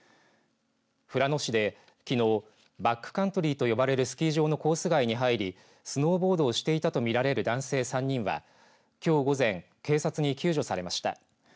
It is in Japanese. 富良野市できのうバックカントリーと呼ばれるスキー場のコース外に入りスノーボードをしていたとみられる男性３人はきょう午前警察に救助されました。